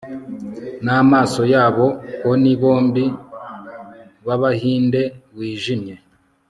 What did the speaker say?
Namaso yabo poni bombi bAbahindeWijimye